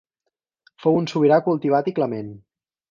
Fou un sobirà cultivat i clement.